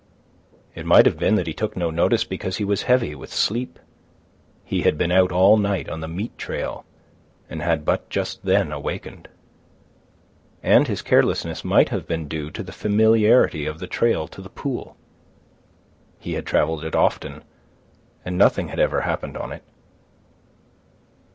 It might have been that he took no notice because he was heavy with sleep. (He had been out all night on the meat trail, and had but just then awakened.) And his carelessness might have been due to the familiarity of the trail to the pool. He had travelled it often, and nothing had ever happened on it.